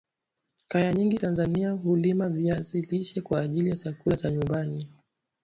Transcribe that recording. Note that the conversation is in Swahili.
Kaya nyingi Tanzania hulima viazi lishe kwa ajili ya chakula cha nyumbani